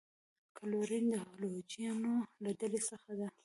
کلورین د هلوجنو له ډلې څخه دی.